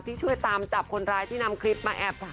ช่วยตามจับคนร้ายที่นำคลิปมาแอบค่ะ